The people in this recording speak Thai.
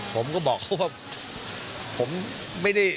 ผมก็บอกเขาว่าผมไม่ได้